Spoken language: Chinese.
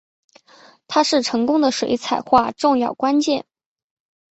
它是成功的水彩画重要关键。